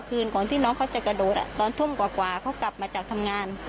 คืนก่อนที่น้องเขาจะกระโดดตอนทุ่มกว่าเขากลับมาจากทำงาน